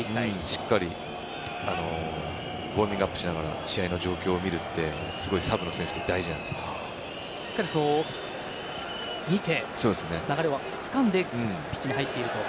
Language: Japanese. しっかりウォーミングアップしながら試合の状況を見るってすごい、サブの選手にはしっかり見て流れをつかんでピッチに入っていると。